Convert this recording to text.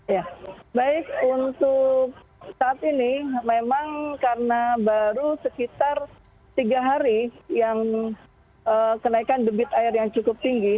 ya baik untuk saat ini memang karena baru sekitar tiga hari yang kenaikan debit air yang cukup tinggi